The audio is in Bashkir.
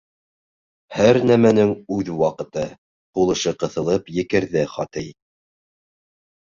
— Һәр нәмәнең үҙ ваҡыты, — һулышы ҡыҫылып екерҙе Хати.